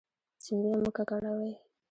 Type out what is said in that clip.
سیندونه مه ککړوئ